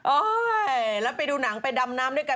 แล้วไปดูหนังไปดำน้ำด้วยกัน